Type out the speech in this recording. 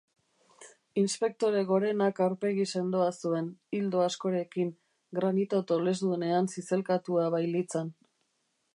Inspektore gorenak aurpegi sendoa zuen, ildo askorekin, granito tolesdunean zizelkatua bailitzan.